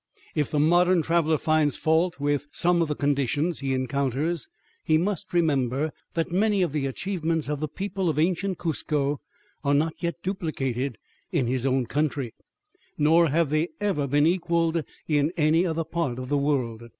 If the modern traveler finds fault with some of the conditions he encounters he must remember that many of the achievements of the people of ancient Cuzco are not yet duplicated in his own country nor have they ever been equaled in any other part of the world.